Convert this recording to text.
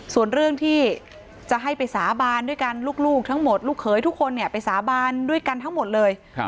ส่วนเรื่องที่จะให้ไปสาบานด้วยกันลูกทั้งหมดลูกเขยทุกคนเนี่ยไปสาบานด้วยกันทั้งหมดเลย